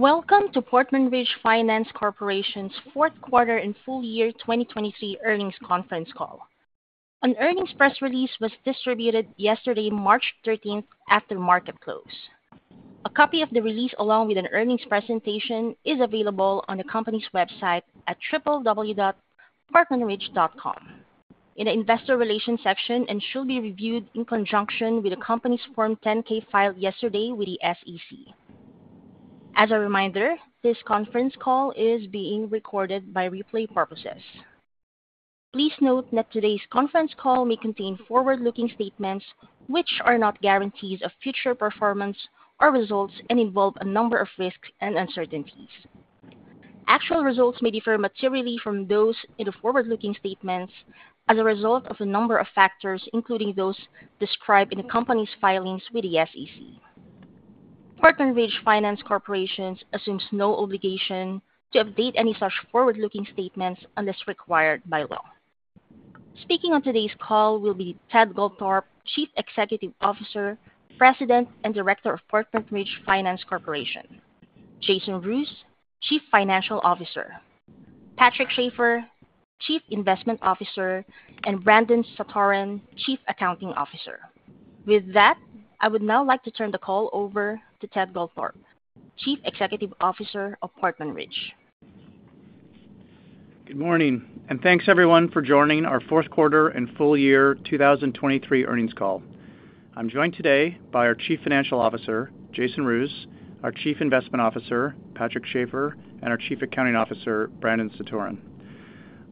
Welcome to Portman Ridge Finance Corporation's fourth quarter and full year 2023 earnings conference call. An earnings press release was distributed yesterday, March 13, after market close. A copy of the release along with an earnings presentation is available on the company's website at www.portmanridge.com in the investor relations section and shall be reviewed in conjunction with the company's Form 10-K filed yesterday with the SEC. As a reminder, this conference call is being recorded for replay purposes. Please note that today's conference call may contain forward-looking statements which are not guarantees of future performance or results and involve a number of risks and uncertainties. Actual results may differ materially from those in the forward-looking statements as a result of a number of factors including those described in the company's filings with the SEC. Portman Ridge Finance Corporation assumes no obligation to update any such forward-looking statements unless required by law. Speaking on today's call will be Ted Goldthorpe, Chief Executive Officer, President and Director of Portman Ridge Finance Corporation, Jason Rouse, Chief Financial Officer, Patrick Schafer, Chief Investment Officer, and Brandon Satoren, Chief Accounting Officer. With that, I would now like to turn the call over to Ted Goldthorpe, Chief Executive Officer of Portman Ridge. Good morning, and thanks everyone for joining our fourth quarter and full year 2023 earnings call. I'm joined today by our Chief Financial Officer, Jason Rouse, our Chief Investment Officer, Patrick Schafer, and our Chief Accounting Officer, Brandon Satoren.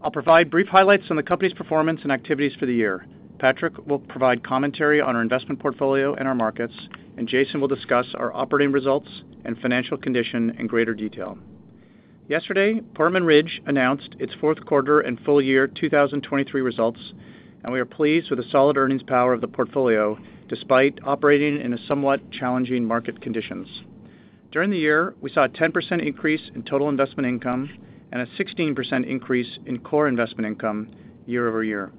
I'll provide brief highlights on the company's performance and activities for the year. Patrick will provide commentary on our investment portfolio and our markets, and Jason will discuss our operating results and financial condition in greater detail. Yesterday, Portman Ridge announced its fourth quarter and full year 2023 results, and we are pleased with the solid earnings power of the portfolio despite operating in somewhat challenging market conditions. During the year, we saw a 10% increase in total investment income and a 16% increase in core investment income year-over-year.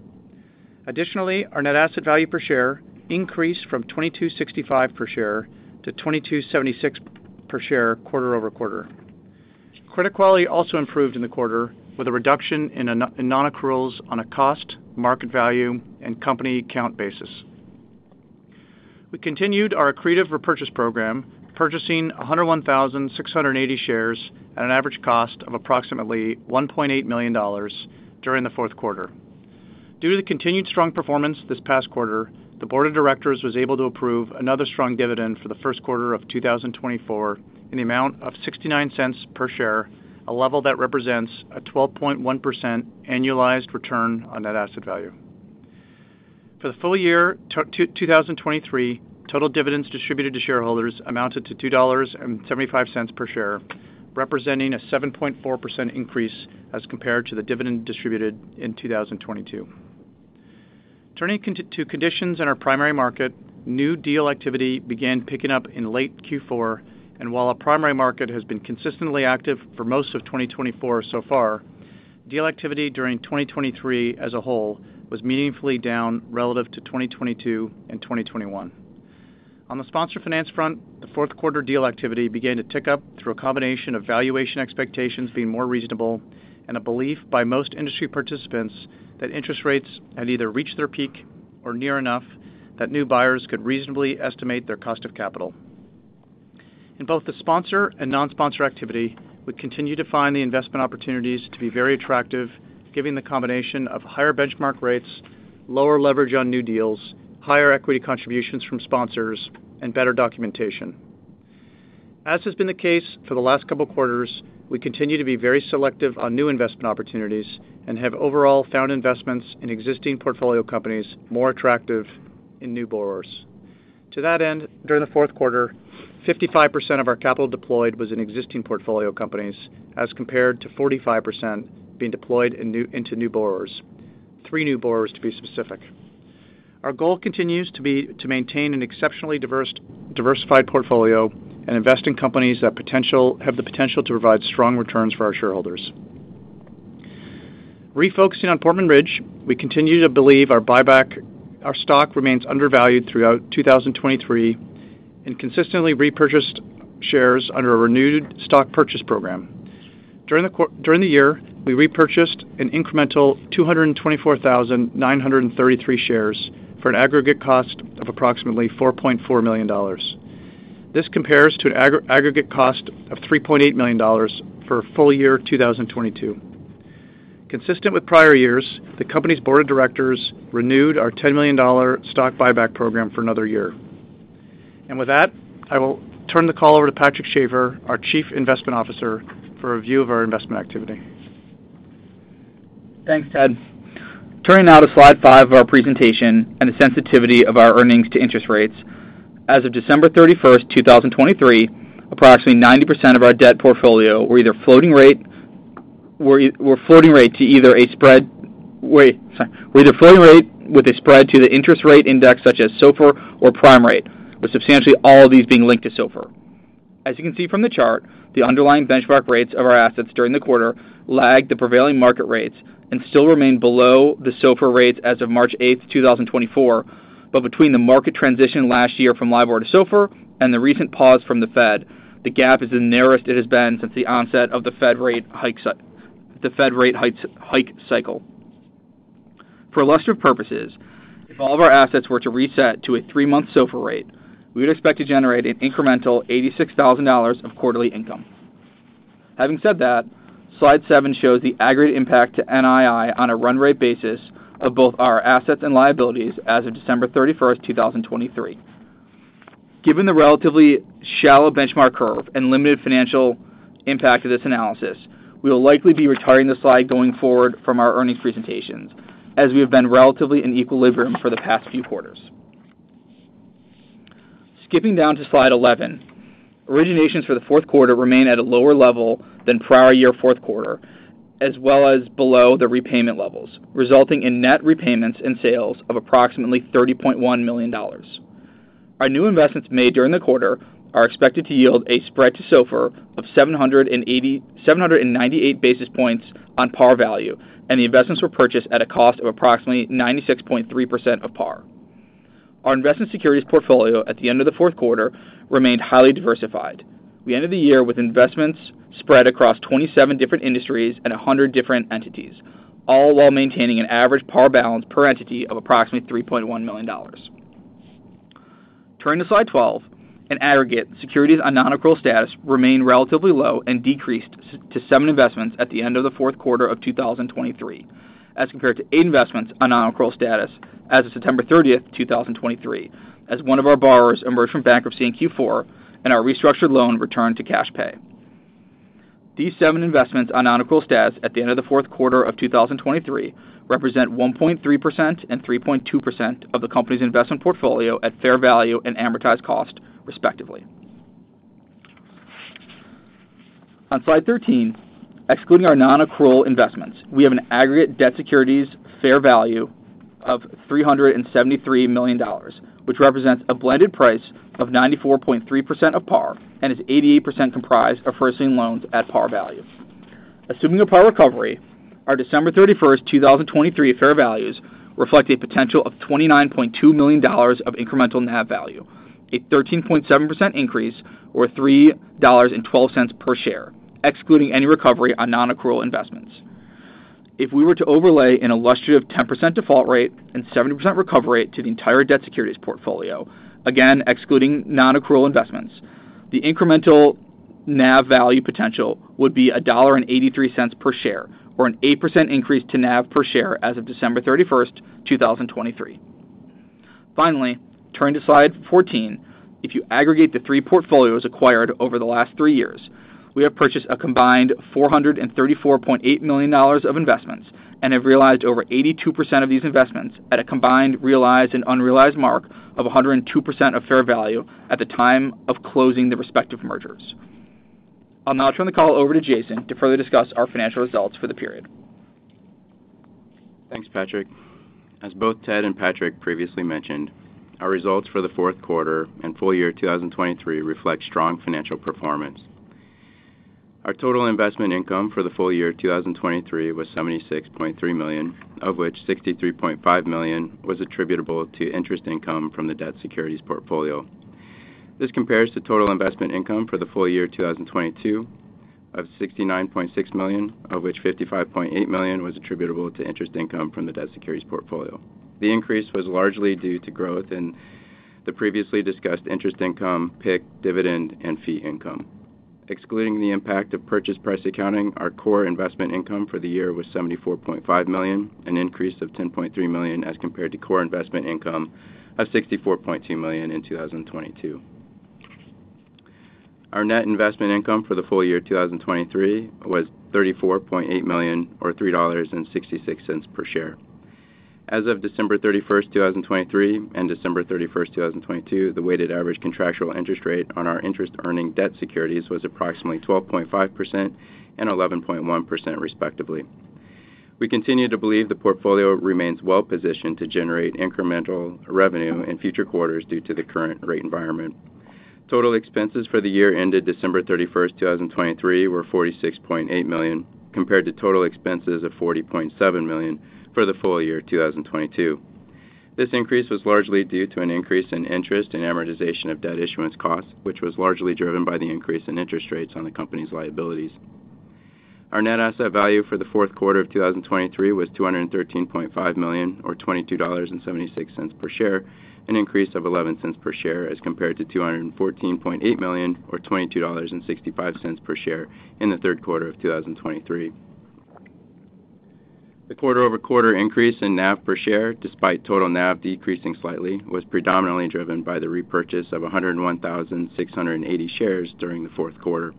Additionally, our net asset value per share increased from $22.65 per share to $22.76 per share quarter-over-quarter. Credit quality also improved in the quarter with a reduction in non-accruals on a cost, market value, and company account basis. We continued our accretive repurchase program, purchasing 101,680 shares at an average cost of approximately $1.8 million during the fourth quarter. Due to the continued strong performance this past quarter, the board of directors was able to approve another strong dividend for the first quarter of 2024 in the amount of $0.69 per share, a level that represents a 12.1% annualized return on net asset value. For the full year 2023, total dividends distributed to shareholders amounted to $2.75 per share, representing a 7.4% increase as compared to the dividend distributed in 2022. Turning to conditions in our primary market, new deal activity began picking up in late Q4, and while our primary market has been consistently active for most of 2024 so far, deal activity during 2023 as a whole was meaningfully down relative to 2022 and 2021. On the sponsor finance front, the fourth quarter deal activity began to tick up through a combination of valuation expectations being more reasonable and a belief by most industry participants that interest rates had either reached their peak or near enough that new buyers could reasonably estimate their cost of capital. In both the sponsor and non-sponsor activity, we continue to find the investment opportunities to be very attractive given the combination of higher benchmark rates, lower leverage on new deals, higher equity contributions from sponsors, and better documentation. As has been the case for the last couple of quarters, we continue to be very selective on new investment opportunities and have overall found investments in existing portfolio companies more attractive in new borrowers. To that end, during the fourth quarter, 55% of our capital deployed was in existing portfolio companies as compared to 45% being deployed into new borrowers, three new borrowers to be specific. Our goal continues to maintain an exceptionally diversified portfolio and invest in companies that have the potential to provide strong returns for our shareholders. Refocusing on Portman Ridge, we continue to believe our stock remains undervalued throughout 2023 and consistently repurchased shares under a renewed stock purchase program. During the year, we repurchased an incremental 224,933 shares for an aggregate cost of approximately $4.4 million. This compares to an aggregate cost of $3.8 million for full year 2022. Consistent with prior years, the company's board of directors renewed our $10 million stock buyback program for another year. With that, I will turn the call over to Patrick Schafer, our Chief Investment Officer, for a view of our investment activity. Thanks, Ted. Turning now to slide five of our presentation and the sensitivity of our earnings to interest rates. As of December 31, 2023, approximately 90% of our debt portfolio were either floating rate with a spread to the interest rate index such as SOFR or prime rate, with substantially all of these being linked to SOFR. As you can see from the chart, the underlying benchmark rates of our assets during the quarter lagged the prevailing market rates and still remain below the SOFR rates as of March 8, 2024, but between the market transition last year from LIBOR to SOFR and the recent pause from the Fed, the gap is the narrowest it has been since the onset of the Fed rate hike cycle. For illustrative purposes, if all of our assets were to reset to a three-month SOFR rate, we would expect to generate an incremental $86,000 of quarterly income. Having said that, slide seven shows the aggregate impact to NII on a run rate basis of both our assets and liabilities as of December 31, 2023. Given the relatively shallow benchmark curve and limited financial impact of this analysis, we will likely be retiring the slide going forward from our earnings presentations as we have been relatively in equilibrium for the past few quarters. Skipping down to slide 11, originations for the fourth quarter remain at a lower level than prior year fourth quarter as well as below the repayment levels, resulting in net repayments and sales of approximately $30.1 million. Our new investments made during the quarter are expected to yield a spread to SOFR of 798 basis points on par value, and the investments were purchased at a cost of approximately 96.3% of par. Our investment securities portfolio at the end of the fourth quarter remained highly diversified. We ended the year with investments spread across 27 different industries and 100 different entities, all while maintaining an average par balance per entity of approximately $3.1 million. Turning to slide 12, in aggregate, securities on non-accrual status remain relatively low and decreased to seven investments at the end of the fourth quarter of 2023 as compared to eight investments on non-accrual status as of September 30, 2023, as one of our borrowers emerged from bankruptcy in Q4 and our restructured loan returned to cash pay. These seven investments on non-accrual status at the end of the fourth quarter of 2023 represent 1.3% and 3.2% of the company's investment portfolio at fair value and amortized cost, respectively. On slide 13, excluding our non-accrual investments, we have an aggregate debt securities fair value of $373 million, which represents a blended price of 94.3% of par and is 88% comprised of first-lien loans at par value. Assuming upon recovery, our December 31, 2023 fair values reflect a potential of $29.2 million of incremental NAV value, a 13.7% increase or $3.12 per share, excluding any recovery on non-accrual investments. If we were to overlay an illustrative 10% default rate and 70% recovery rate to the entire debt securities portfolio, again excluding non-accrual investments, the incremental NAV value potential would be $1.83 per share or an 8% increase to NAV per share as of December 31, 2023. Finally, turning to slide 14, if you aggregate the three portfolios acquired over the last three years, we have purchased a combined $434.8 million of investments and have realized over 82% of these investments at a combined realized and unrealized mark of 102% of fair value at the time of closing the respective mergers. I'll now turn the call over to Jason to further discuss our financial results for the period. Thanks, Patrick. As both Ted and Patrick previously mentioned, our results for the fourth quarter and full year 2023 reflect strong financial performance. Our total investment income for the full year 2023 was $76.3 million, of which $63.5 million was attributable to interest income from the debt securities portfolio. This compares to total investment income for the full year 2022 of $69.6 million, of which $55.8 million was attributable to interest income from the debt securities portfolio. The increase was largely due to growth in the previously discussed interest income, PIK dividend, and fee income. Excluding the impact of purchase price accounting, our core investment income for the year was $74.5 million, an increase of $10.3 million as compared to core investment income of $64.2 million in 2022. Our net investment income for the full year 2023 was $34.8 million or $3.66 per share. As of December 31, 2023, and December 31, 2022, the weighted average contractual interest rate on our interest earning debt securities was approximately 12.5% and 11.1%, respectively. We continue to believe the portfolio remains well positioned to generate incremental revenue in future quarters due to the current rate environment. Total expenses for the year ended December 31, 2023, were $46.8 million compared to total expenses of $40.7 million for the full year 2022. This increase was largely due to an increase in interest and amortization of debt issuance costs, which was largely driven by the increase in interest rates on the company's liabilities. Our net asset value for the fourth quarter of 2023 was $213.5 million or $22.76 per share, an increase of $0.11 per share as compared to $214.8 million or $22.65 per share in the third quarter of 2023. The quarter-over-quarter increase in NAV per share, despite total NAV decreasing slightly, was predominantly driven by the repurchase of 101,680 shares during the fourth quarter.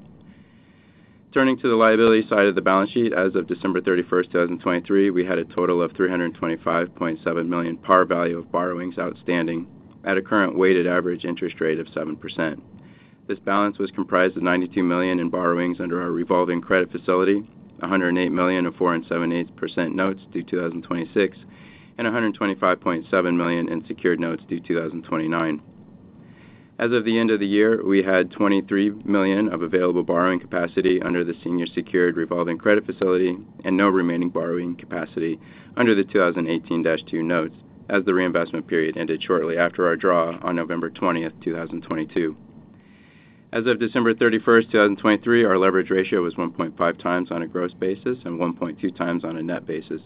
Turning to the liability side of the balance sheet, as of December 31, 2023, we had a total of $325.7 million par value of borrowings outstanding at a current weighted average interest rate of 7%. This balance was comprised of $92 million in borrowings under our revolving credit facility, $108 million of 4.78% notes due 2026, and $125.7 million in secured notes due 2029. As of the end of the year, we had $23 million of available borrowing capacity under the senior secured revolving credit facility and no remaining borrowing capacity under the 2018-2 notes as the reinvestment period ended shortly after our draw on November 20, 2022. As of December 31, 2023, our leverage ratio was 1.5x on a gross basis and 1.2x on a net basis.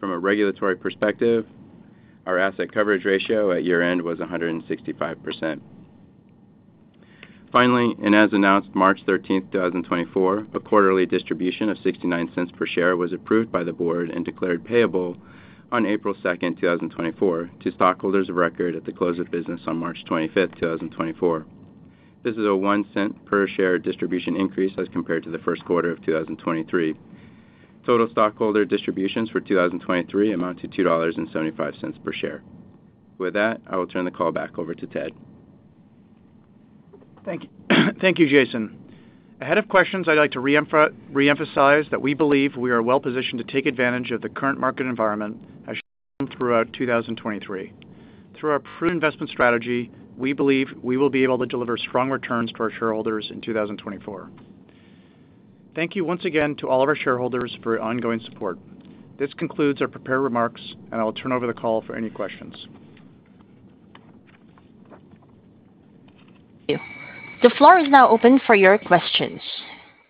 From a regulatory perspective, our asset coverage ratio at year-end was 165%. Finally, and as announced March 13, 2024, a quarterly distribution of $0.69 per share was approved by the board and declared payable on April 2, 2024, to stockholders of record at the close of business on March 25, 2024. This is a $0.01 per share distribution increase as compared to the first quarter of 2023. Total stockholder distributions for 2023 amount to $2.75 per share. With that, I will turn the call back over to Ted. Thank you, Jason. Ahead of questions, I'd like to reemphasize that we believe we are well positioned to take advantage of the current market environment as shown throughout 2023. Through our proven investment strategy, we believe we will be able to deliver strong returns to our shareholders in 2024. Thank you once again to all of our shareholders for ongoing support. This concludes our prepared remarks, and I will turn over the call for any questions. Thank you. The floor is now open for your questions.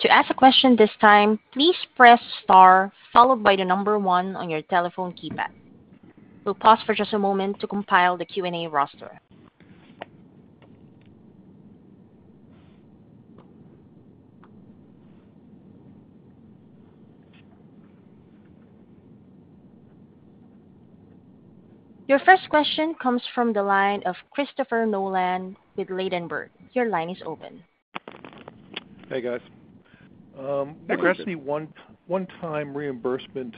To ask a question this time, please press star followed by the number one on your telephone keypad. We'll pause for just a moment to compile the Q&A roster. Your first question comes from the line of Christopher Nolan with Ladenburg. Your line is open. Hey, guys. What does the one-time reimbursement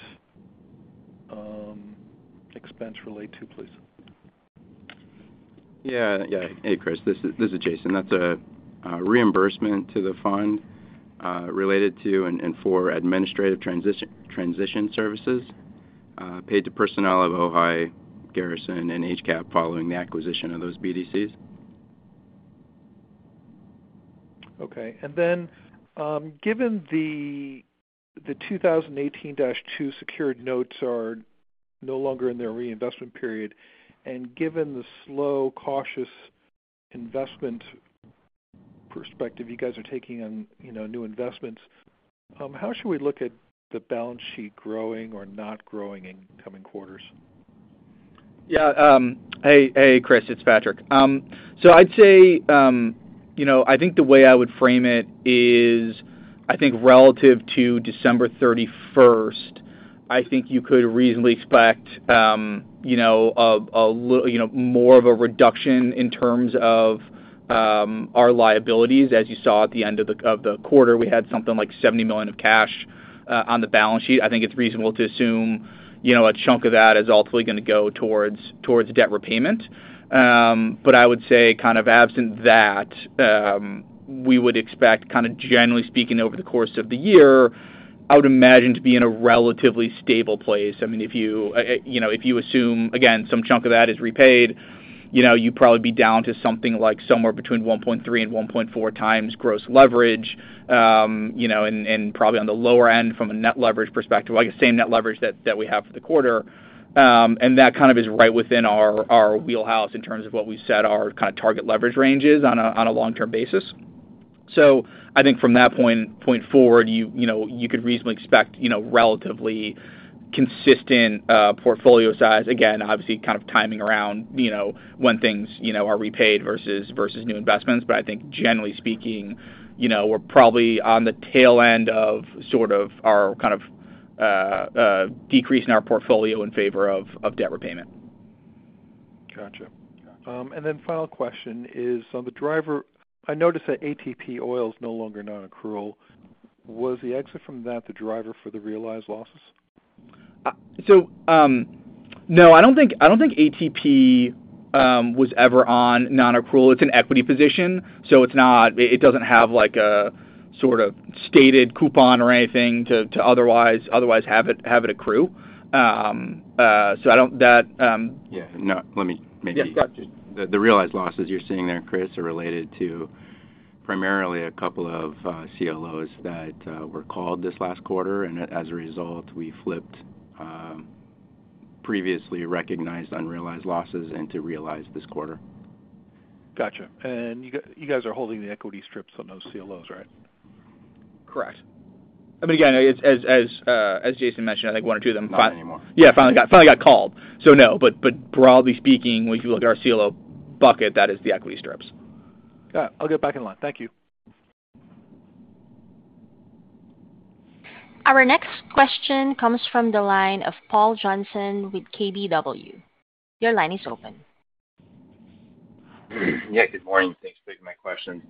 expense relate to, please? Yeah, yeah. Hey, Chris. This is Jason. That's a reimbursement to the fund related to and for administrative transition services paid to personnel of OHAI, Garrison, and HCAP following the acquisition of those BDCs. Okay. And then given the 2018-2 Secured Notes are no longer in their reinvestment period, and given the slow, cautious investment perspective you guys are taking on new investments, how should we look at the balance sheet growing or not growing in coming quarters? Yeah. Hey, Chris. It's Patrick. So I'd say I think the way I would frame it is, I think relative to December 31, I think you could reasonably expect a little more of a reduction in terms of our liabilities. As you saw at the end of the quarter, we had something like $70 million of cash on the balance sheet. I think it's reasonable to assume a chunk of that is ultimately going to go towards debt repayment. But I would say kind of absent that, we would expect kind of generally speaking over the course of the year, I would imagine to be in a relatively stable place. I mean, if you assume, again, some chunk of that is repaid, you'd probably be down to something like somewhere between 1.3-1.4x gross leverage and probably on the lower end from a net leverage perspective, like the same net leverage that we have for the quarter. And that kind of is right within our wheelhouse in terms of what we've set our kind of target leverage ranges on a long-term basis. So I think from that point forward, you could reasonably expect relatively consistent portfolio size. Again, obviously kind of timing around when things are repaid versus new investments. But I think generally speaking, we're probably on the tail end of sort of our kind of decrease in our portfolio in favor of debt repayment. Gotcha. And then final question is, on the driver, I noticed that ATP Oil's no longer non-accrual. Was the exit from that the driver for the realized losses? So no, I don't think ATP was ever on non-accrual. It's an equity position, so it doesn't have a sort of stated coupon or anything to otherwise have it accrue. So that. Yeah. The realized losses you're seeing there, Chris, are related to primarily a couple of CLOs that were called this last quarter, and as a result, we flipped previously recognized unrealized losses into realized this quarter. Gotcha. And you guys are holding the equity strips on those CLOs, right? Correct. I mean, again, as Jason mentioned, I think one or two of them. Not anymore. Yeah, finally got called. So no. But broadly speaking, when you look at our CLO bucket, that is the equity strips. Got it. I'll get back in line. Thank you. Our next question comes from the line of Paul Johnson with KBW. Your line is open. Yeah. Good morning. Thanks for taking my question.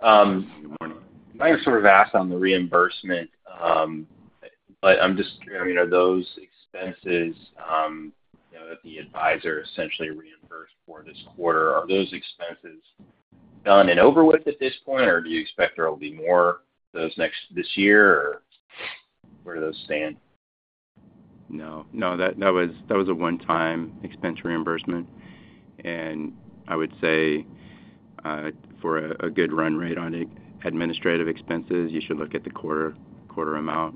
Good morning. I was sort of asked on the reimbursement, but I'm just curious. I mean, are those expenses that the advisor essentially reimbursed for this quarter, are those expenses done and over with at this point, or do you expect there will be more this year, or where do those stand? No. No, that was a one-time expense reimbursement. I would say for a good run rate on administrative expenses, you should look at the quarter amount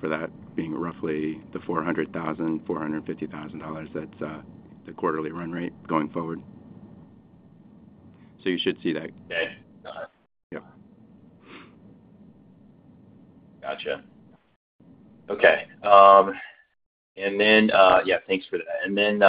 for that being roughly $400,000-$450,000. That's the quarterly run rate going forward. You should see that. Got it. Yep. Gotcha. Okay. And then yeah, thanks for that. And then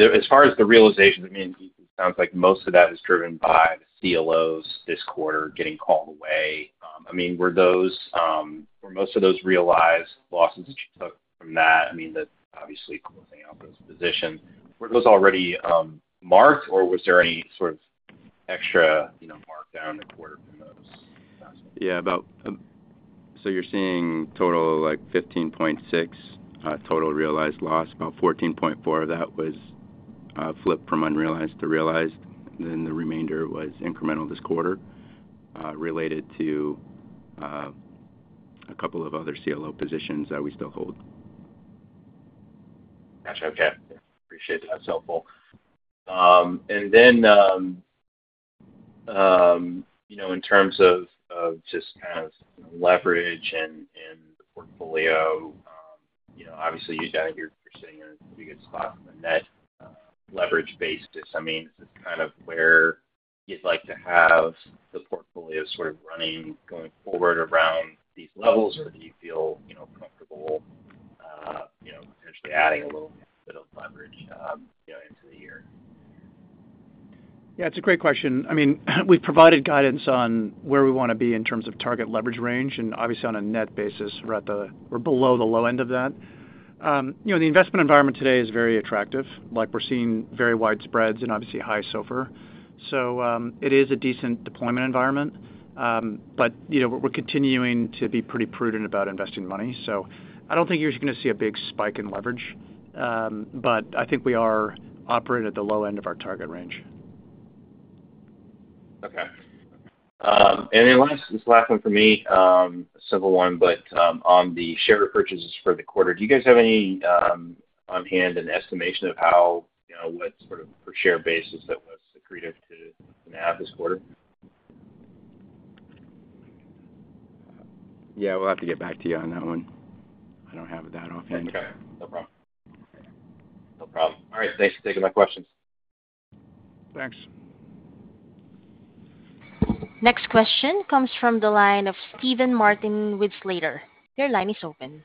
as far as the realizations, I mean, it sounds like most of that was driven by the CLOs this quarter getting called away. I mean, were most of those realized losses that you took from that, I mean, that obviously closing out those positions, were those already marked, or was there any sort of extra markdown in the quarter from those investments? Yeah. So you're seeing total like $15.6 total realized loss. About $14.4 of that was flipped from unrealized to realized. Then the remainder was incremental this quarter related to a couple of other CLO positions that we still hold. Gotcha. Okay. Appreciate that. That's helpful. And then in terms of just kind of leverage in the portfolio, obviously, you're sitting in a pretty good spot from a net leverage basis. I mean, is this kind of where you'd like to have the portfolio sort of running going forward around these levels, or do you feel comfortable potentially adding a little bit of leverage into the year? Yeah, it's a great question. I mean, we've provided guidance on where we want to be in terms of target leverage range, and obviously, on a net basis, we're below the low end of that. The investment environment today is very attractive. We're seeing very wide spreads and obviously high SOFR. So it is a decent deployment environment, but we're continuing to be pretty prudent about investing money. So I don't think you're going to see a big spike in leverage, but I think we are operating at the low end of our target range. Okay. And then this last one for me, a simple one, but on the share repurchases for the quarter, do you guys have any on hand an estimation of what sort of per-share basis that was accretive to the NAV this quarter? Yeah, we'll have to get back to you on that one. I don't have that offhand. Okay. No problem. No problem. All right. Thanks for taking my questions. Thanks. Next question comes from the line of Steven Martin with Slater. Your line is open.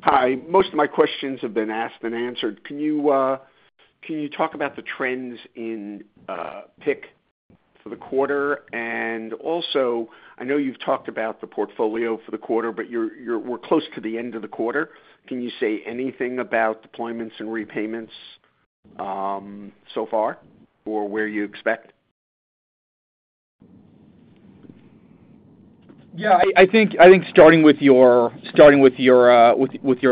Hi. Most of my questions have been asked and answered. Can you talk about the trends in PIK for the quarter? And also, I know you've talked about the portfolio for the quarter, but we're close to the end of the quarter. Can you say anything about deployments and repayments so far or where you expect? Yeah. I think starting with your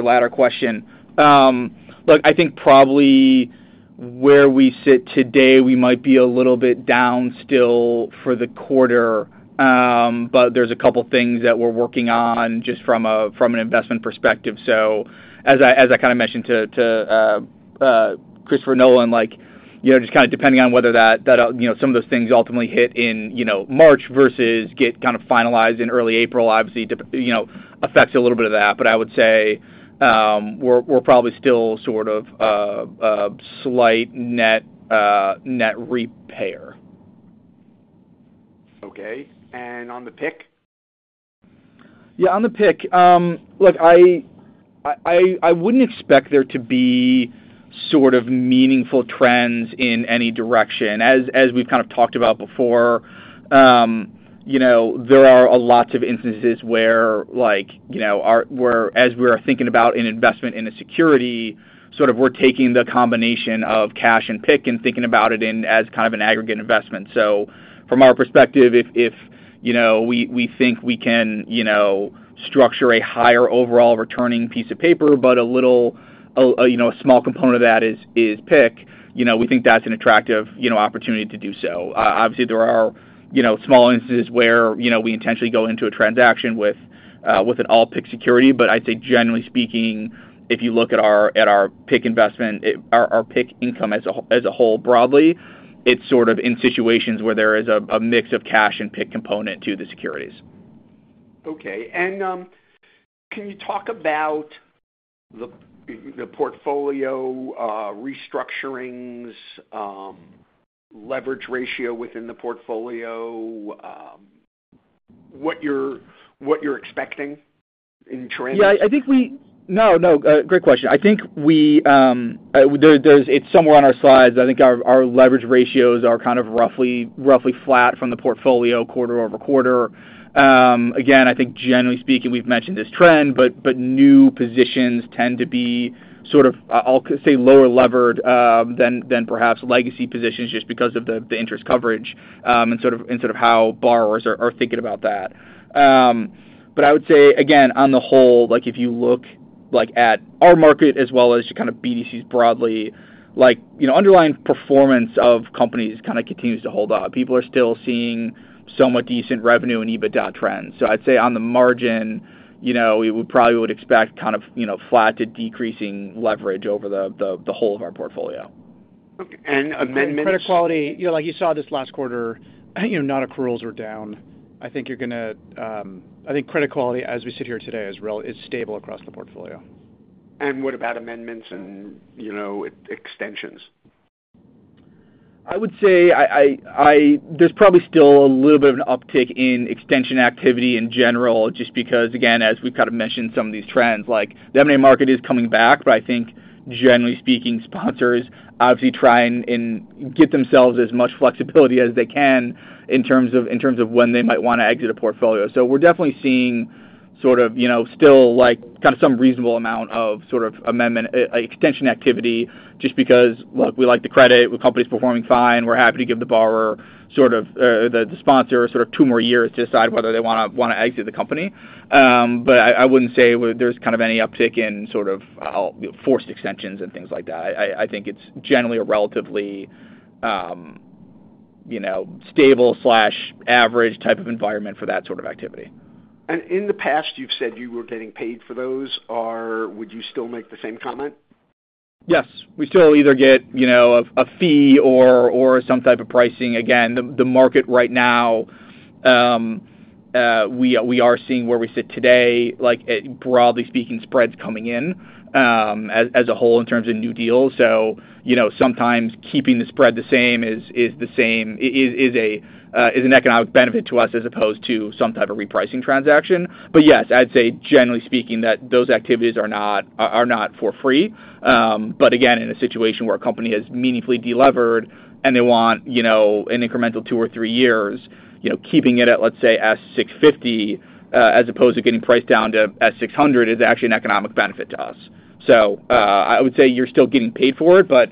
latter question, look, I think probably where we sit today, we might be a little bit down still for the quarter, but there's a couple of things that we're working on just from an investment perspective. So as I kind of mentioned to Christopher Nolan, just kind of depending on whether some of those things ultimately hit in March versus get kind of finalized in early April, obviously, affects a little bit of that. But I would say we're probably still sort of a slight net repair. Okay. And on the PIK? Yeah. On the PIK, look, I wouldn't expect there to be sort of meaningful trends in any direction. As we've kind of talked about before, there are a lot of instances where, as we are thinking about an investment in a security, sort of we're taking the combination of cash and PIK and thinking about it as kind of an aggregate investment. So from our perspective, if we think we can structure a higher overall returning piece of paper, but a small component of that is PIK, we think that's an attractive opportunity to do so. Obviously, there are small instances where we intentionally go into a transaction with an all-PIK security. But I'd say generally speaking, if you look at our PIK investment, our PIK income as a whole broadly, it's sort of in situations where there is a mix of cash and PIK component to the securities. Okay. Can you talk about the portfolio restructurings, leverage ratio within the portfolio, what you're expecting in trends? Yeah. No, no. Great question. I think it's somewhere on our slides. I think our leverage ratios are kind of roughly flat from the portfolio quarter-over-quarter. Again, I think generally speaking, we've mentioned this trend, but new positions tend to be sort of, I'll say, lower levered than perhaps legacy positions just because of the interest coverage and sort of how borrowers are thinking about that. But I would say, again, on the whole, if you look at our market as well as kind of BDCs broadly, underlying performance of companies kind of continues to hold up. People are still seeing somewhat decent revenue and EBITDA trends. So I'd say on the margin, we probably would expect kind of flat to decreasing leverage over the whole of our portfolio. Okay. And amendments? Credit quality, like you saw this last quarter, non-accruals are down. I think credit quality, as we sit here today, is stable across the portfolio. What about amendments and extensions? I would say there's probably still a little bit of an uptick in extension activity in general just because, again, as we've kind of mentioned some of these trends, the M&A market is coming back. But I think generally speaking, sponsors obviously try and get themselves as much flexibility as they can in terms of when they might want to exit a portfolio. So we're definitely seeing sort of still kind of some reasonable amount of sort of extension activity just because, look, we like the credit. The company's performing fine. We're happy to give the borrower sort of the sponsor sort of two more years to decide whether they want to exit the company. But I wouldn't say there's kind of any uptick in sort of forced extensions and things like that. I think it's generally a relatively stable, average type of environment for that sort of activity. In the past, you've said you were getting paid for those. Would you still make the same comment? Yes. We still either get a fee or some type of pricing. Again, the market right now, we are seeing where we sit today, broadly speaking, spreads coming in as a whole in terms of new deals. So sometimes keeping the spread the same is an economic benefit to us as opposed to some type of repricing transaction. But yes, I'd say generally speaking, that those activities are not for free. But again, in a situation where a company has meaningfully delevered and they want an incremental two or three years, keeping it at, let's say, S650 as opposed to getting priced down to S600 is actually an economic benefit to us. So I would say you're still getting paid for it, but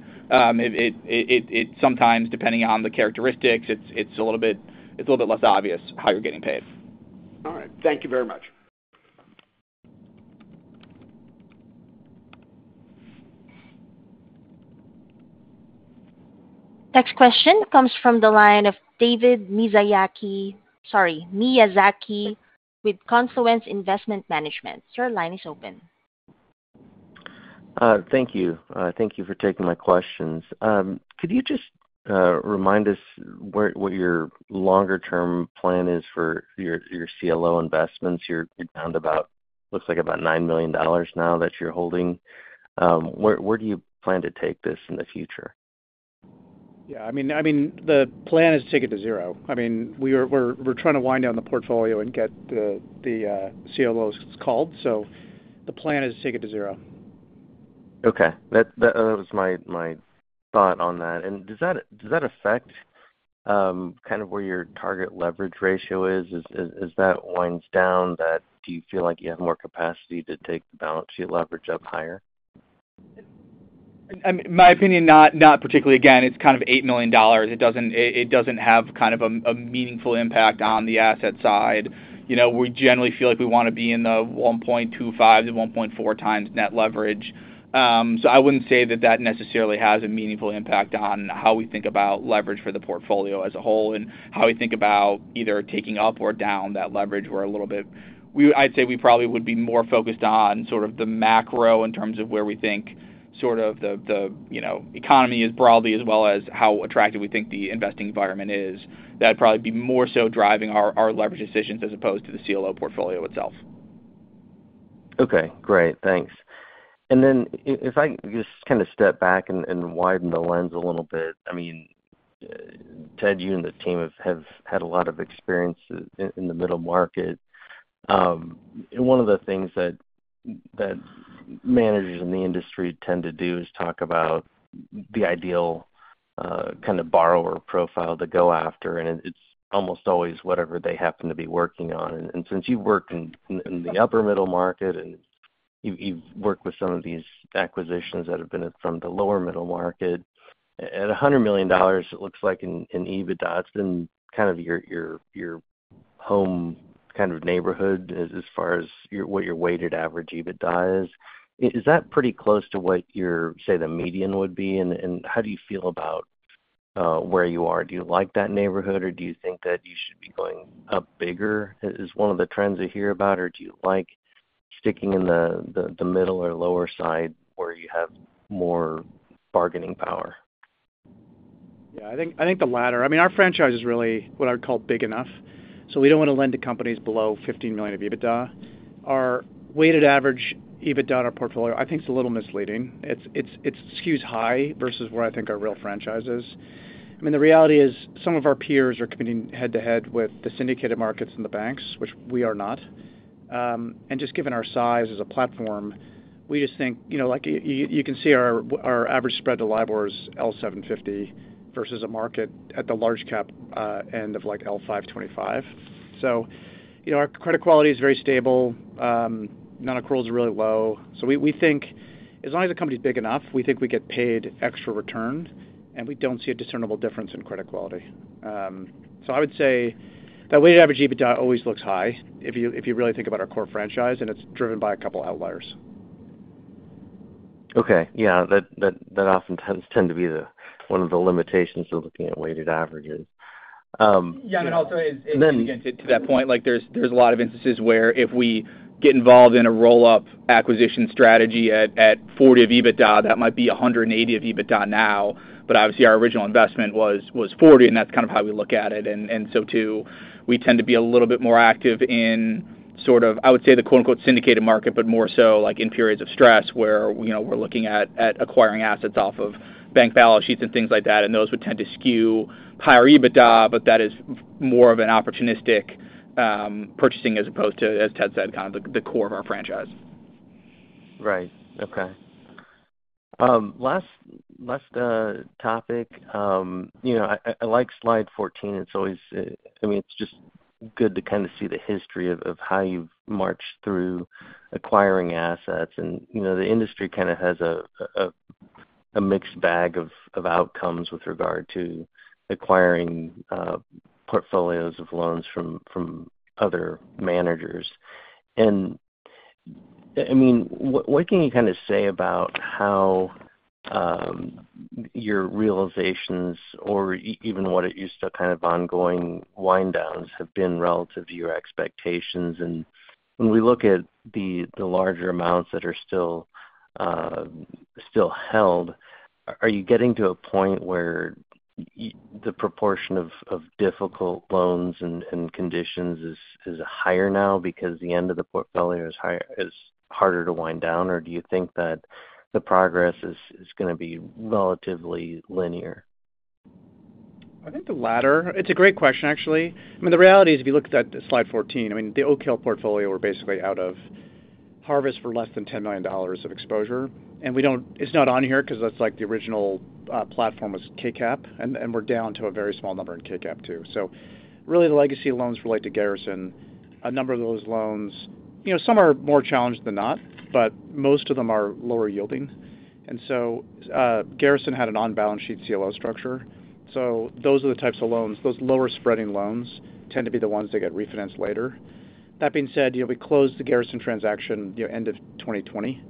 sometimes, depending on the characteristics, it's a little bit less obvious how you're getting paid. All right. Thank you very much. Next question comes from the line of David Miyazaki with Confluence Investment Management. Your line is open. Thank you. Thank you for taking my questions. Could you just remind us what your longer-term plan is for your CLO investments? You're down to about, looks like, about $9 million now that you're holding. Where do you plan to take this in the future? Yeah. I mean, the plan is to take it to zero. I mean, we're trying to wind down the portfolio and get the CLOs called. So the plan is to take it to zero. Okay. That was my thought on that. Does that affect kind of where your target leverage ratio is? As that winds down, do you feel like you have more capacity to take the balance sheet leverage up higher? In my opinion, not particularly. Again, it's kind of $8 million. It doesn't have kind of a meaningful impact on the asset side. We generally feel like we want to be in the 1.25-1.4x net leverage. So I wouldn't say that that necessarily has a meaningful impact on how we think about leverage for the portfolio as a whole and how we think about either taking up or down that leverage where a little bit I'd say we probably would be more focused on sort of the macro in terms of where we think sort of the economy is broadly as well as how attractive we think the investing environment is. That'd probably be more so driving our leverage decisions as opposed to the CLO portfolio itself. Okay. Great. Thanks. And then if I just kind of step back and widen the lens a little bit, I mean, Ted, you and the team have had a lot of experience in the middle market. One of the things that managers in the industry tend to do is talk about the ideal kind of borrower profile to go after, and it's almost always whatever they happen to be working on. And since you've worked in the upper middle market and you've worked with some of these acquisitions that have been from the lower middle market, at $100 million, it looks like in EBITDA, it's been kind of your home kind of neighborhood as far as what your weighted average EBITDA is. Is that pretty close to what your, say, the median would be? And how do you feel about where you are? Do you like that neighborhood, or do you think that you should be going up bigger? Is one of the trends I hear about, or do you like sticking in the middle or lower side where you have more bargaining power? Yeah. I think the latter. I mean, our franchise is really what I would call big enough, so we don't want to lend to companies below $15 million of EBITDA. Our weighted average EBITDA in our portfolio, I think, is a little misleading. It's skewed high versus where I think our real franchise is. I mean, the reality is some of our peers are competing head-to-head with the syndicated markets and the banks, which we are not. And just given our size as a platform, we just think you can see our average spread to LIBOR is L750 versus a market at the large-cap end of L525. So our credit quality is very stable. Non-accruals are really low. So we think as long as the company's big enough, we think we get paid extra return, and we don't see a discernible difference in credit quality. I would say that weighted average EBITDA always looks high if you really think about our core franchise, and it's driven by a couple of outliers. Okay. Yeah. That often tends to be one of the limitations of looking at weighted averages. Yeah. I mean, also, to that point, there's a lot of instances where if we get involved in a roll-up acquisition strategy at 40x EBITDA, that might be 180x EBITDA now. But obviously, our original investment was 40, and that's kind of how we look at it. And so too, we tend to be a little bit more active in sort of, I would say, the "syndicated market," but more so in periods of stress where we're looking at acquiring assets off of bank balance sheets and things like that. And those would tend to skew higher EBITDA, but that is more of an opportunistic purchasing as opposed to, as Ted said, kind of the core of our franchise. Right. Okay. Last topic. I like slide 14. I mean, it's just good to kind of see the history of how you've marched through acquiring assets. And the industry kind of has a mixed bag of outcomes with regard to acquiring portfolios of loans from other managers. And I mean, what can you kind of say about how your realizations or even what it used to kind of ongoing winddowns have been relative to your expectations? And when we look at the larger amounts that are still held, are you getting to a point where the proportion of difficult loans and conditions is higher now because the end of the portfolio is harder to wind down, or do you think that the progress is going to be relatively linear? I think the latter. It's a great question, actually. I mean, the reality is if you look at that slide 14, I mean, the Oak Hill portfolio, we're basically out of Harvest for less than $10 million of exposure. And it's not on here because that's the original platform was KCAP, and we're down to a very small number in KCAP too. So really, the legacy loans relate to Garrison. A number of those loans, some are more challenged than not, but most of them are lower yielding. And so Garrison had an on-balance sheet CLO structure. So those are the types of loans. Those lower-spreading loans tend to be the ones that get refinanced later. That being said, we closed the Garrison transaction end of 2020.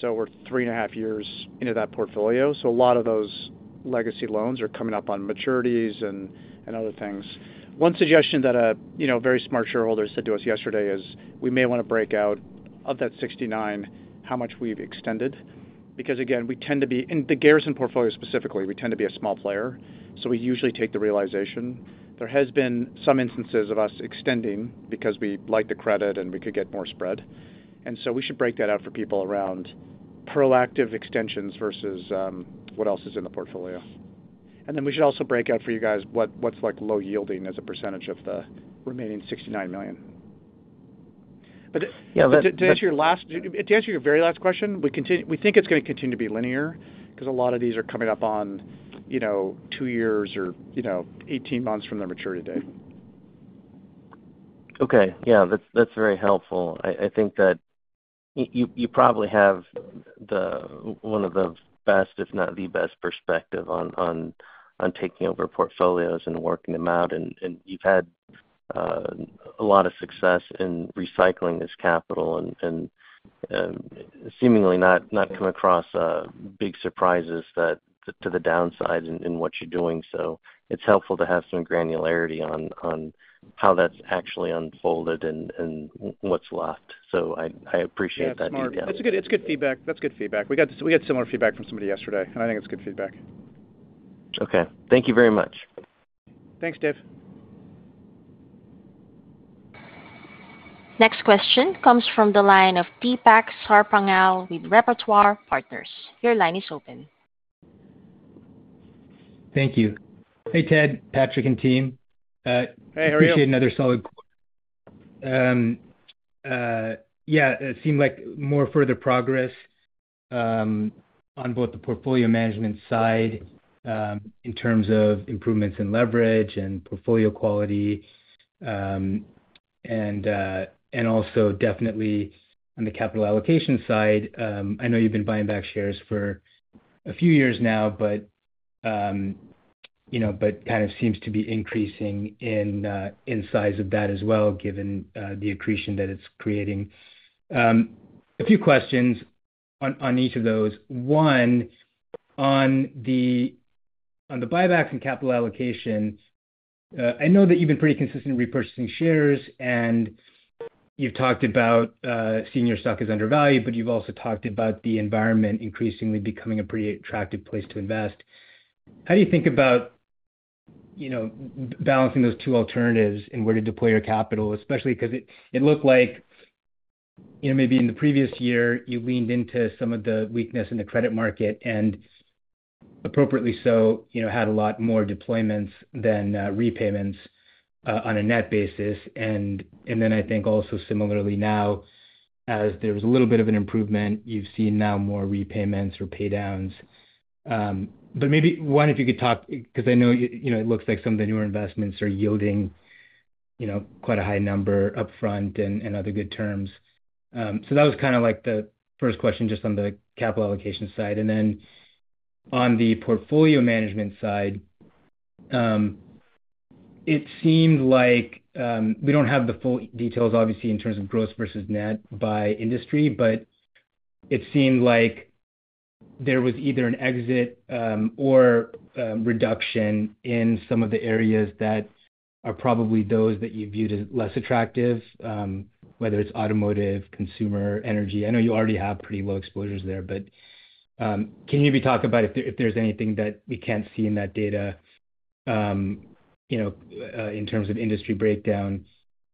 So we're three and a half years into that portfolio. So a lot of those legacy loans are coming up on maturities and other things. One suggestion that a very smart shareholder said to us yesterday is we may want to break out of that $69 million how much we've extended because, again, we tend to be in the Garrison portfolio specifically, we tend to be a small player. So we usually take the realization. There has been some instances of us extending because we like the credit and we could get more spread. And so we should break that out for people around proactive extensions versus what else is in the portfolio. And then we should also break out for you guys what's low yielding as a percentage of the remaining $69 million. But to answer your very last question, we think it's going to continue to be linear because a lot of these are coming up on two years or 18 months from their maturity date. Okay. Yeah. That's very helpful. I think that you probably have one of the best, if not the best, perspective on taking over portfolios and working them out. And you've had a lot of success in recycling this capital and seemingly not come across big surprises to the downside in what you're doing. So it's helpful to have some granularity on how that's actually unfolded and what's left. So I appreciate that detail. Yeah. It's good feedback. That's good feedback. We got similar feedback from somebody yesterday, and I think it's good feedback. Okay. Thank you very much. Thanks, Dave. Next question comes from the line of Deepak Sarpangal with Repertoire Partners. Your line is open. Thank you. Hey, Ted, Patrick, and team. Hey. How are you? Appreciate another solid quarter. Yeah. It seemed like more further progress on both the portfolio management side in terms of improvements in leverage and portfolio quality. And also definitely on the capital allocation side, I know you've been buying back shares for a few years now, but kind of seems to be increasing in size of that as well given the accretion that it's creating. A few questions on each of those. One, on the buybacks and capital allocation, I know that you've been pretty consistent in repurchasing shares, and you've talked about seeing your stock as undervalued, but you've also talked about the environment increasingly becoming a pretty attractive place to invest. How do you think about balancing those two alternatives and where to deploy your capital, especially because it looked like maybe in the previous year, you leaned into some of the weakness in the credit market and appropriately so had a lot more deployments than repayments on a net basis. And then I think also similarly now, as there was a little bit of an improvement, you've seen now more repayments or paydowns. But maybe one, if you could talk because I know it looks like some of the newer investments are yielding quite a high number upfront and other good terms. So that was kind of the first question just on the capital allocation side. And then on the portfolio management side, it seemed like we don't have the full details, obviously, in terms of gross versus net by industry, but it seemed like there was either an exit or reduction in some of the areas that are probably those that you viewed as less attractive, whether it's automotive, consumer, energy. I know you already have pretty low exposures there, but can you maybe talk about if there's anything that we can't see in that data in terms of industry breakdown?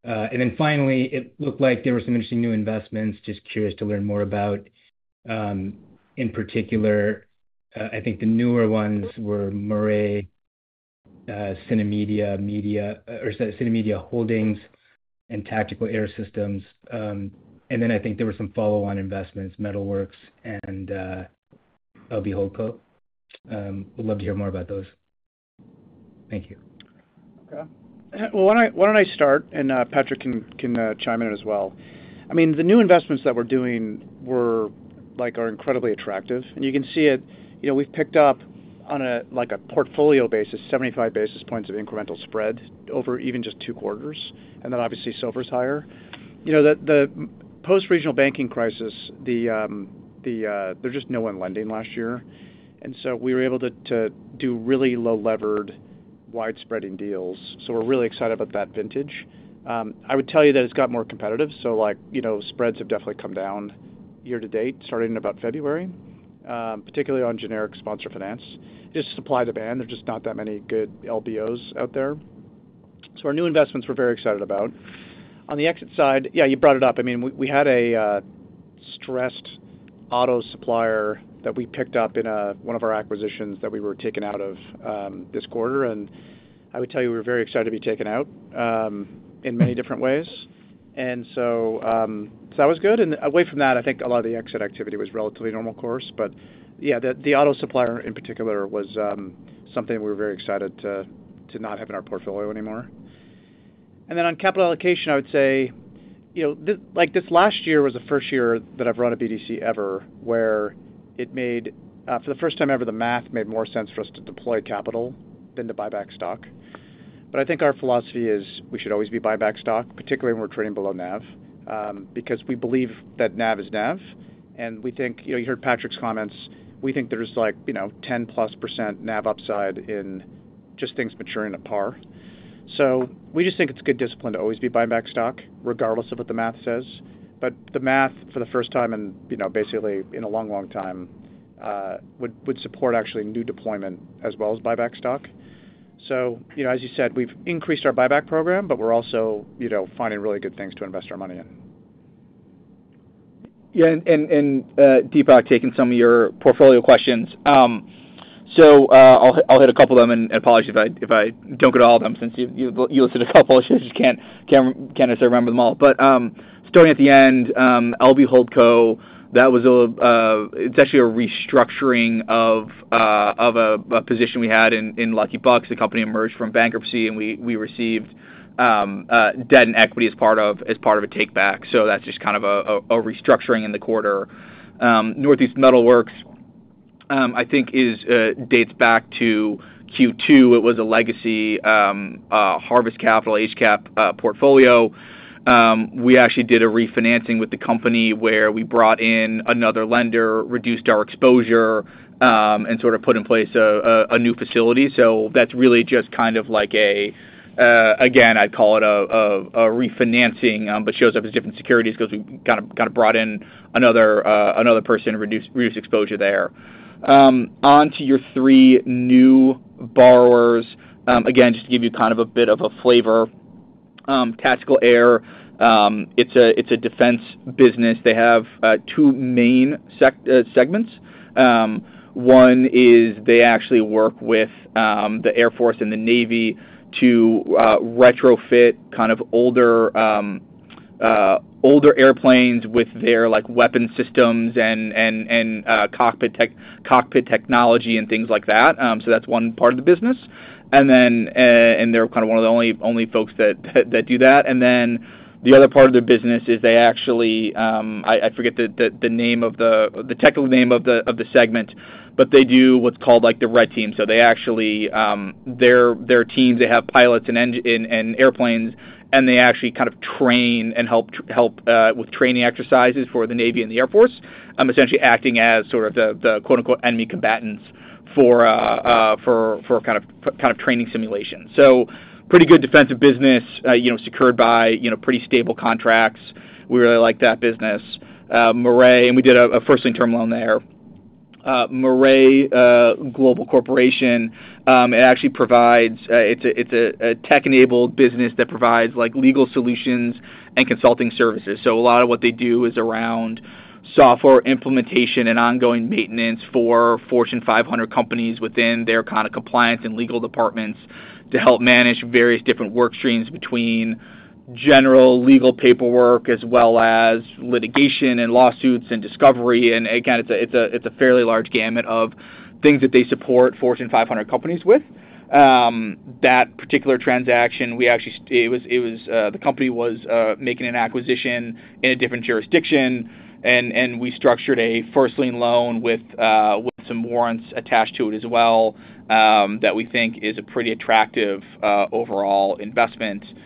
And then finally, it looked like there were some interesting new investments, just curious to learn more about. In particular, I think the newer ones were Morae, Synamedia or Synamedia Holdings and Tactical Air Support. And then I think there were some follow-on investments, Northeast Metal Works and LB Holdco. Would love to hear more about those. Thank you. Okay. Well, why don't I start, and Patrick can chime in as well? I mean, the new investments that we're doing are incredibly attractive. You can see it. We've picked up on a portfolio basis, 75 basis points of incremental spread over even just two quarters. Then obviously, SOFR's higher. The post-regional banking crisis, there's just no one lending last year. So we were able to do really low-levered, widespreading deals. We're really excited about that vintage. I would tell you that it's got more competitive. Spreads have definitely come down year to date, starting in about February, particularly on generic sponsor finance. It's just supply-demand. There's just not that many good LBOs out there. Our new investments, we're very excited about. On the exit side, yeah, you brought it up. I mean, we had a stressed auto supplier that we picked up in one of our acquisitions that we were taken out of this quarter. And I would tell you we were very excited to be taken out in many different ways. And so that was good. And away from that, I think a lot of the exit activity was relatively normal course. But yeah, the auto supplier in particular was something we were very excited to not have in our portfolio anymore. And then on capital allocation, I would say this last year was the first year that I've run a BDC ever where it made, for the first time ever, the math made more sense for us to deploy capital than to buy back stock. But I think our philosophy is we should always be buying back stock, particularly when we're trading below NAV because we believe that NAV is NAV. And we think you heard Patrick's comments. We think there's 10%+ NAV upside in just things maturing at par. So we just think it's good discipline to always be buying back stock regardless of what the math says. But the math, for the first time and basically in a long, long time, would support actually new deployment as well as buyback stock. So as you said, we've increased our buyback program, but we're also finding really good things to invest our money in. Yeah. And Deepak taking some of your portfolio questions. So I'll hit a couple of them. And apologies if I don't get all of them since you listed a couple. I just can't necessarily remember them all. But starting at the end, LB Holdco, it's actually a restructuring of a position we had in Lucky Bucks. The company emerged from bankruptcy, and we received debt and equity as part of a takeback. So that's just kind of a restructuring in the quarter. Northeast Metal Works, I think, dates back to Q2. It was a legacy Harvest Capital HCAP portfolio. We actually did a refinancing with the company where we brought in another lender, reduced our exposure, and sort of put in place a new facility. So that's really just kind of like a, again, I'd call it a refinancing, but shows up as different securities because we kind of brought in another person, reduced exposure there. Onto your three new borrowers, again, just to give you kind of a bit of a flavor, Tactical Air. It's a defense business. They have two main segments. One is they actually work with the Air Force and the Navy to retrofit kind of older airplanes with their weapon systems and cockpit technology and things like that. So that's one part of the business. And they're kind of one of the only folks that do that. And then the other part of their business is they actually I forget the technical name of the segment, but they do what's called the red team. So their teams, they have pilots and airplanes, and they actually kind of train and help with training exercises for the Navy and the Air Force, essentially acting as sort of the "enemy combatants" for kind of training simulations. So pretty good defensive business secured by pretty stable contracts. We really like that business. Morae, and we did a first-lien term loan there. Morae Global Corporation, it actually provides. It's a tech-enabled business that provides legal solutions and consulting services. So a lot of what they do is around software implementation and ongoing maintenance for Fortune 500 companies within their kind of compliance and legal departments to help manage various different workstreams between general legal paperwork as well as litigation and lawsuits and discovery. And again, it's a fairly large gamut of things that they support Fortune 500 companies with. That particular transaction, it was the company was making an acquisition in a different jurisdiction, and we structured a first-lien loan with some warrants attached to it as well that we think is a pretty attractive overall investment and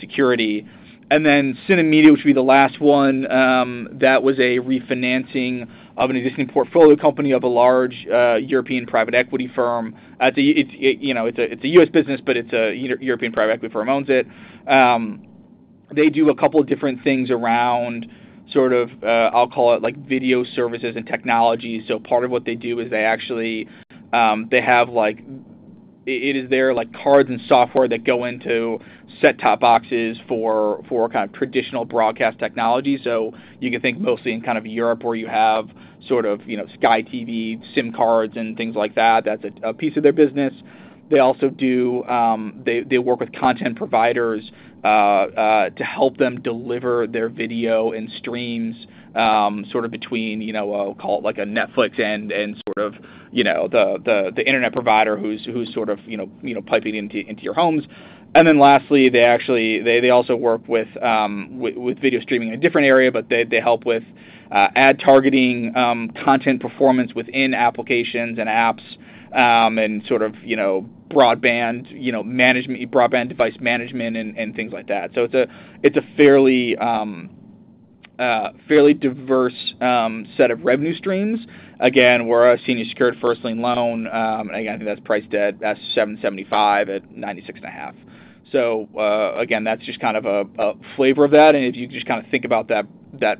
security. And then Synamedia, which would be the last one, that was a refinancing of an existing portfolio company of a large European private equity firm. It's a U.S. business, but it's a European private equity firm owns it. They do a couple of different things around sort of, I'll call it, video services and technologies. So part of what they do is they actually have it is their cards and software that go into set-top boxes for kind of traditional broadcast technology. So you can think mostly in kind of Europe where you have sort of Sky TV, SIM cards, and things like that. That's a piece of their business. They work with content providers to help them deliver their video and streams sort of between, I'll call it, a Netflix and sort of the internet provider who's sort of piping into your homes. And then lastly, they also work with video streaming in a different area, but they help with ad targeting, content performance within applications and apps, and sort of broadband management, broadband device management, and things like that. So it's a fairly diverse set of revenue streams. Again, we're a senior-secured first-lien loan. And again, I think that's priced at 775 at 96.5. So again, that's just kind of a flavor of that. And if you just kind of think about that at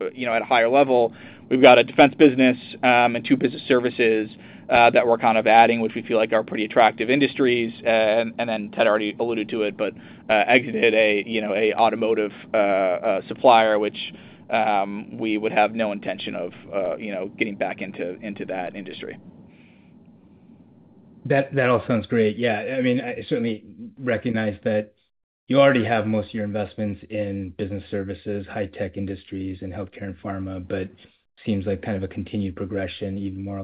a higher level, we've got a defense business and two business services that we're kind of adding, which we feel like are pretty attractive industries. Then Ted already alluded to it, but exited an automotive supplier, which we would have no intention of getting back into that industry. That all sounds great. Yeah. I mean, I certainly recognize that you already have most of your investments in business services, high-tech industries, and healthcare and pharma, but it seems like kind of a continued progression even more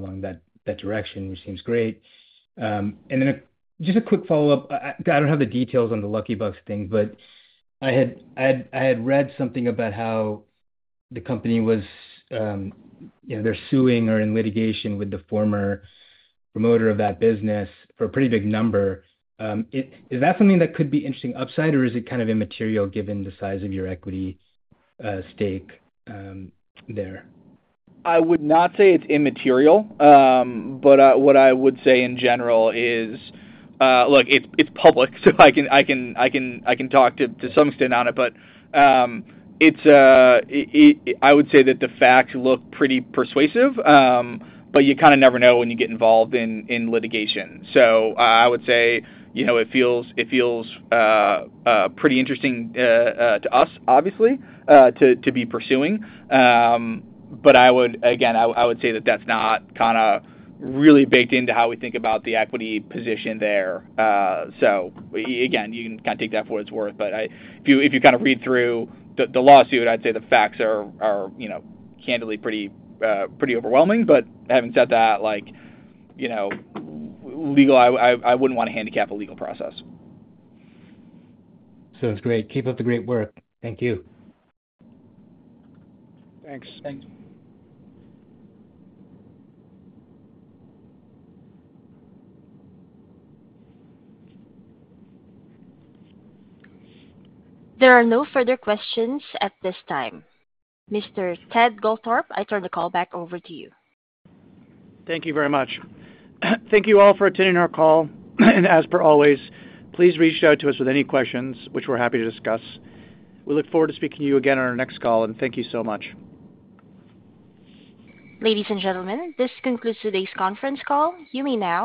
along that direction, which seems great. And then just a quick follow-up. I don't have the details on the Lucky Bucks thing, but I had read something about how the company was, they're suing or in litigation with the former promoter of that business for a pretty big number. Is that something that could be interesting upside, or is it kind of immaterial given the size of your equity stake there? I would not say it's immaterial. But what I would say in general is look, it's public, so I can talk to some extent on it. But I would say that the facts look pretty persuasive, but you kind of never know when you get involved in litigation. So I would say it feels pretty interesting to us, obviously, to be pursuing. But again, I would say that that's not kind of really baked into how we think about the equity position there. So again, you can kind of take that for its worth. But if you kind of read through the lawsuit, I'd say the facts are candidly pretty overwhelming. But having said that, legal, I wouldn't want to handicap a legal process. It's great. Keep up the great work. Thank you. Thanks. Thanks. There are no further questions at this time. Mr. Ted Goldthorpe, I turn the call back over to you. Thank you very much. Thank you all for attending our call. As per always, please reach out to us with any questions, which we're happy to discuss. We look forward to speaking to you again on our next call. Thank you so much. Ladies and gentlemen, this concludes today's conference call. You may now.